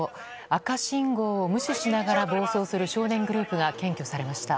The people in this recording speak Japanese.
赤信号を無視しながら暴走する少年グループが検挙されました。